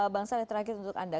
bang saleh terakhir untuk anda